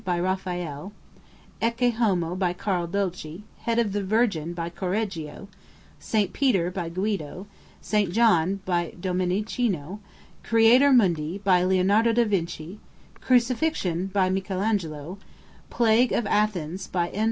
by Raphael; Ecce Homo, by Carl Dolci; Head of the Virgin, by Correggio; St. Peter, by Guido; St. John, by Domenichino; Creator Mundi, by Leonardo da Vinci; Crucifixion, by Michael Angelo; Plague of Athens, by N.